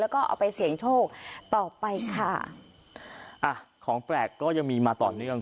แล้วก็เอาไปเสี่ยงโชคต่อไปค่ะอ่ะของแปลกก็ยังมีมาต่อเนื่อง